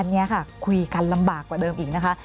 อันนี้ค่ะคุยกันลำบากกว่าเดิมอีกนะคะ